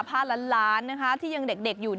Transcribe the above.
ผ้าล้านนะคะที่ยังเด็กอยู่